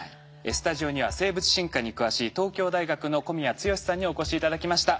スタジオには生物進化に詳しい東京大学の小宮剛さんにお越し頂きました。